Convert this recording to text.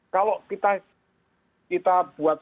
kalau kita buat